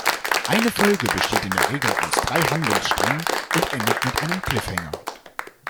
Eine Folge besteht in der Regel aus drei Handlungssträngen und endet mit einem Cliffhanger.